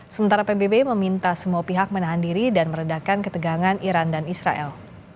sementara pbb meminta semua pihak menahan diri dan meredakan ketegangan iran dan israel